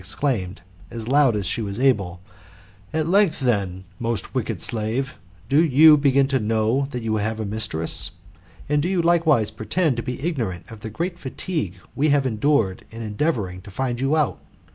xclaimed, as loud as she was able,* "At length, then, most wicked slave, do you begin to know that you have a mistress ? And do you likewise pretend to be ignorant of the great fatigue we have endured in endeavouring to find you out